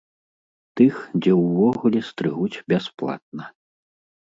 Тых, дзе ўвогуле стрыгуць бясплатна.